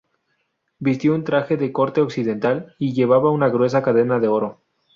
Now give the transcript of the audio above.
Vistió un traje de corte occidental y llevaba una gruesa cadena de oro.